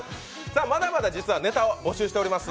まだまだ実はネタを募集しております。